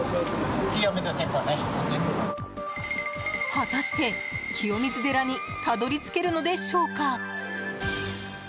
果たして、清水寺にたどり着けるのでしょうか。